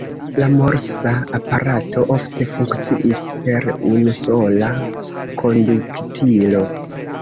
La Morsa-aparato ofte funkciis per unusola konduktilo.